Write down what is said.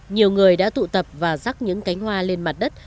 nhiều người đã tụ tập và rắc những cánh hoa lên mặt đất